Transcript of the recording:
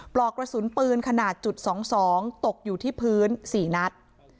ปลอกกระสุนปืนขนาดจุด๒๒ตกอยู่ที่พื้น๔นัด